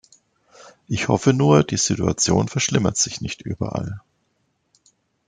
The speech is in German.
Ich hoffe nur, die Situation verschlimmert sich nicht überall.